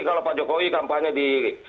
kalau pak jokowi kampanye di